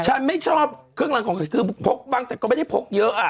ฉันไม่ชอบเครื่องรังของคือพกบ้างแต่ก็ไม่ได้พกเยอะอ่ะ